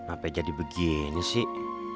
apa jadi begini sih